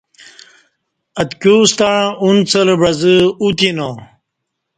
اَتکیوستݩع ا نڅہ لہ بعزہ ا تینا